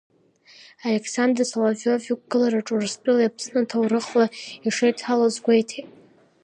Александр Соловиов иқәгылараҿы, Урыстәылеи Аԥсни ҭоурыхла ишеидҳәалоу азгәеиҭеит.